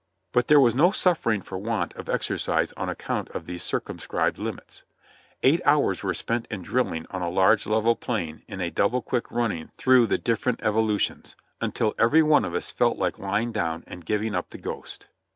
But there was no sufifering for want of exercise on account of these circumscribed limits; eight hours were spent in drilling on a large level plain in a double quick running through the different evolutions, until every one of us felt hke lying down and giving up the ghost.